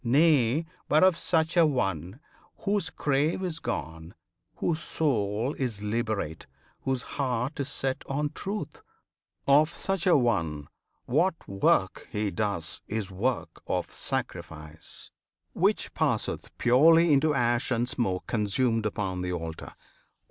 Nay, but of such an one, Whose crave is gone, whose soul is liberate, Whose heart is set on truth of such an one What work he does is work of sacrifice, Which passeth purely into ash and smoke Consumed upon the altar!